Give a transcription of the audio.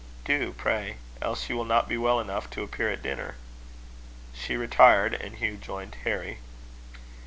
"Do, pray; else you will not be well enough to appear at dinner." She retired, and Hugh joined Harry.